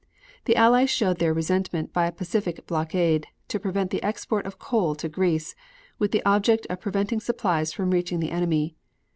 The Allies showed their resentment by a pacific blockade, to prevent the export of coal to Greece, with the object of preventing supplies from reaching the enemy.